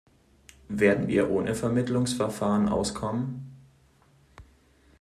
Werden wir ohne Vermittlungsverfahren auskommen?